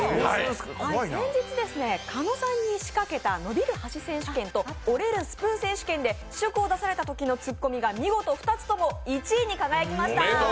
先日、狩野さんに仕掛けた伸びる箸選手権と折れるスプーン選手権で記録を出されたときの映像が見事２つとも１位に輝きました。